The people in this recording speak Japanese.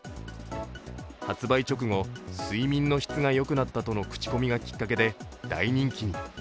発売直後、睡眠の質がよくなったとの口コミがきっかけで大人気に。